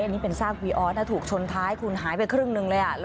อันนี้เป็นซากวีออสนะถูกชนท้ายคุณหายไปครึ่งหนึ่งเลย